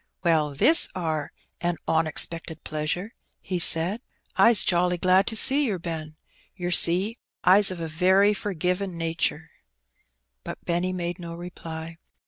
'* Well, this are a onexpected pleasure !" he said. *' Ps jolly glad to see yer, Ben. Ter see, Ps of a very forgivin* natur^.'^ But Benny made no reply.